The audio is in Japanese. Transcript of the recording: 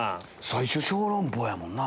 最初小籠包やもんな。